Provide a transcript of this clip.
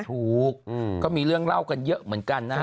ถูกก็มีเรื่องเล่ากันเยอะเหมือนกันนะฮะ